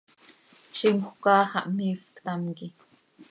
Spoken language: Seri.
Zimjöc áa xah miifp, ctam quih.